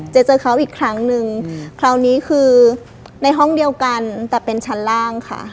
เจอเขาอีกครั้งนึงคราวนี้คือในห้องเดียวกันแต่เป็นชั้นล่างค่ะ